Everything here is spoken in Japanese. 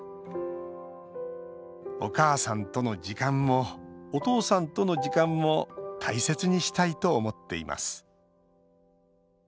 お母さんとの時間もお父さんとの時間も大切にしたいと思っています